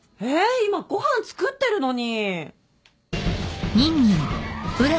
今ご飯作ってるのに。